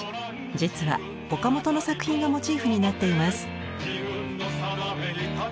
実は岡本の作品がモチーフになっています。